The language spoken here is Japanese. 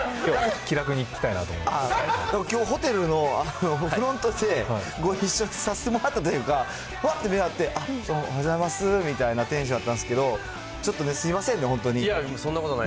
きょう、きょう、ホテルのフロントでご一緒させてもらったというか、ぱっと目合って、あっ、どうもおはようございますみたいなテンションやったんですけど。ちょっとね、すみませんね、本当に。